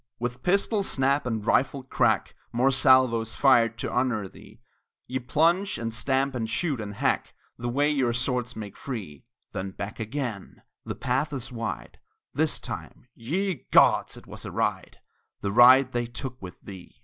With pistol snap and rifle crack Mere salvos fired to honor thee Ye plunge, and stamp, and shoot, and hack The way your swords make free; Then back again, the path is wide This time, ye gods! it was a ride, The ride they took with thee!